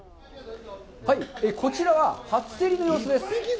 こちらは初競りの様子です。